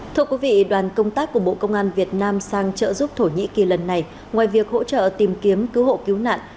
thưa quý vị đoàn công tác của bộ công an việt nam sang trợ giúp thổ nhĩ kỳ lần này ngoài việc hỗ trợ tìm kiếm cứu hộ cứu nạn